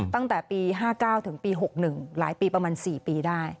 ตั้งแต่ปี๕๙ถึงปี๖๑หลายปีประมาณ๔ปีได้